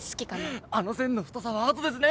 あの線の太さはアートですね。